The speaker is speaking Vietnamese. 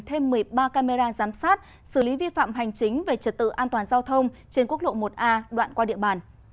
thêm một mươi ba camera giám sát xử lý vi phạm hành chính về trật tự an toàn giao thông trên quốc lộ một a đoạn qua địa bàn